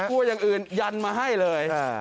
กลัวอย่างอื่นยันมาให้เลย